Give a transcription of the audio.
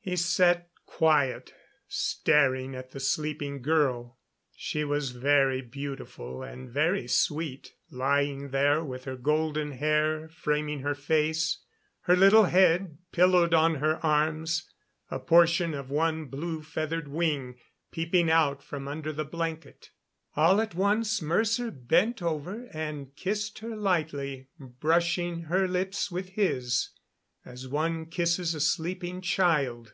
He sat quiet, staring at the sleeping girl. She was very beautiful and very sweet, lying there with her golden hair framing her face, her little head pillowed on her arms, a portion of one blue feathered wing peeping out from under the blanket. All at once Mercer bent over and kissed her lightly, brushing her lips with his, as one kisses a sleeping child.